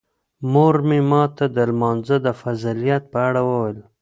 مور مې ماته د لمانځه د فضیلت په اړه وویل.